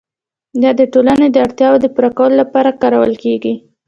یا د ټولنې د اړتیاوو د پوره کولو لپاره کارول کیږي؟